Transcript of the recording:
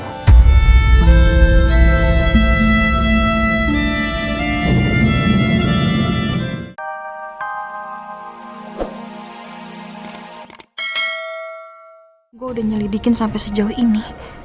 gue udah nyelidikin sampe sejauh ini